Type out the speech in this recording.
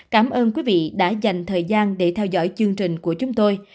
cảm ơn quý vị đã dành thời gian để theo dõi chương trình của chúng tôi